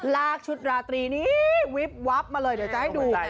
ลากชุดราตรีนี้วิบวับมาเลยเดี๋ยวจะให้ดู